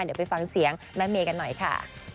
เดี๋ยวไปฟังเสียงแม่เมย์กันหน่อยค่ะ